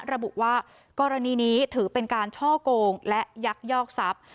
ระบุว่ากรณีนี้ถือเป็นการช่อกงและยักยอกทรัพย์